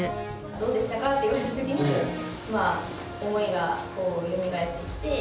「どうでしたか？」って言われた時に思いがよみがえってきて。